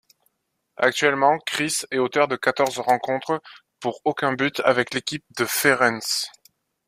Actuellement Cris est auteur de quatorze rencontres pour aucun but avec l'équipe de Feirense.